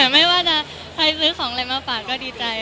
ไม่ว่าจะใครซื้อของอะไรมาฝากก็ดีใจ